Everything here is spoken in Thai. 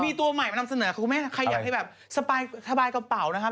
มีตัวใหม่มานำเสนอคือคุณแม่ใครอยากให้แบบสบายกระเป๋านะครับ